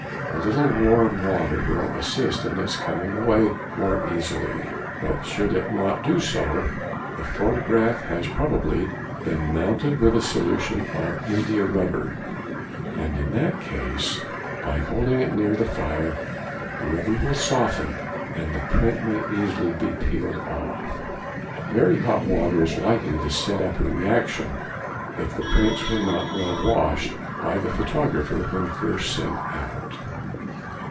A little warm water will assist in its coming away more easily, but should it not do so, the photograph has probably been mounted with a solution of india rubber, and in that case, by holding it near the fire, the rubber will soften, and the print may easily be peeled off. Very hot water is likely to set up a reaction if the prints were not well washed by the photographer when first sent out.